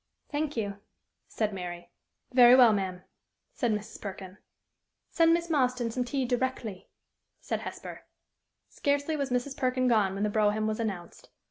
"Thank you," said Mary. "Very well, ma'am," said Mrs. Perkin. "Send Miss Marston some tea directly," said Hesper. Scarcely was Mrs. Perkin gone when the brougham was announced.